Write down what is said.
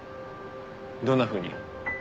どんなふうに？